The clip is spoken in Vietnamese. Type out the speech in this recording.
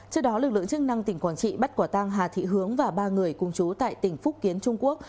trước đó lực lượng chức năng tỉnh quảng trị bắt quả tang hà thị hướng và ba người cùng chú tại tỉnh phúc kiến trung quốc